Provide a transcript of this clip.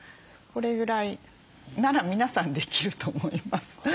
これぐらいなら皆さんできると思います。